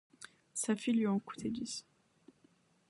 Sa fille lui en coûtait dix.